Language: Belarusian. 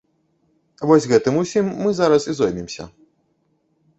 Вось гэтым усім мы зараз і зоймемся.